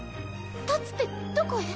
たつってどこへ？